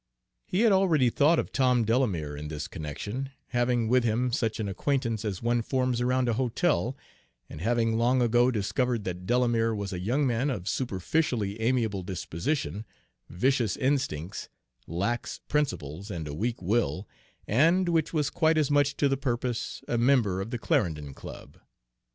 He had already thought of Tom Delamere in this connection, having with him such an acquaintance as one forms around a hotel, and having long ago discovered that Delamere was a young man of superficially amiable disposition, vicious instincts, lax principles, and a weak will, and, which was quite as much to the purpose, a member of the Clarendon Club.